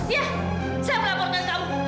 ya saya melaporkan kamu